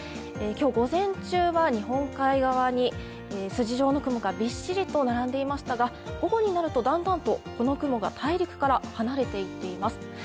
今日午前中には日本海側に筋状の雲がびっしりと並んでいましたが、午後になるとだんだんとこの雲が大陸から離れていっています。